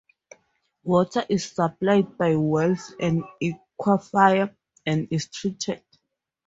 Water is supplied by wells and an aquifer and is treated.